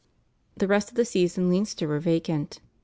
The rest of the Sees in Leinster were vacant.